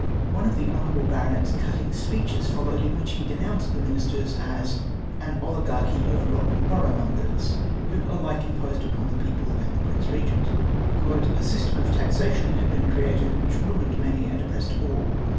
One of tlie honourable baronet's cuttuig speeches followed, m which he denounced the ]\Iinisters as an " oKgarchy of rotten boroughmongers "— who alike imposed upon the people and the Prince Eegent. " A system of taxation had been created which ruined many and oppressed all.